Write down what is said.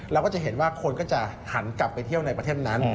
เราก็จะเห็นว่าคนก็จะหันกลับไปเที่ยวในประเทศนั้น